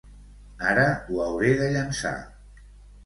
Ara ho hauré de llençar.